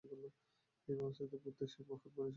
এ বাস্তবতায় বুদ্ধের সেই মহান বাণী স্মরণ করা প্রয়োজন।